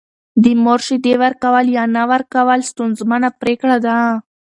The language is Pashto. د مور شیدې ورکول یا نه ورکول ستونزمنه پرېکړه ده.